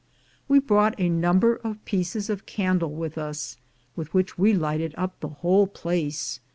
We brought a number of pieces of candle with us, with which we lighted up the whole place.